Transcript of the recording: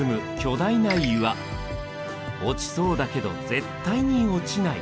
落ちそうだけど絶対に落ちない。